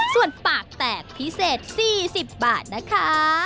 ส่วนปากแตกพิเศษ๔๐บาทนะคะ